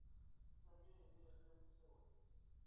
Sami yella yeqqim usawen.